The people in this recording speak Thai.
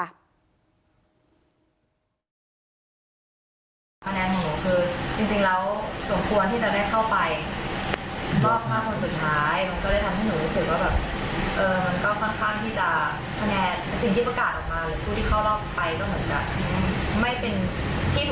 คะแนนของหนูคือจริงแล้วสมควรที่จะได้เข้าไป